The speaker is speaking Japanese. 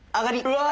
うわ！